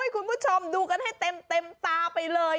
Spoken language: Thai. คุณผู้ชมดูกันให้เต็มตาไปเลย